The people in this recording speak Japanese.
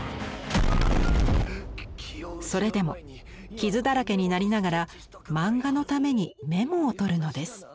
それでも傷だらけになりながら漫画のためにメモをとるのです。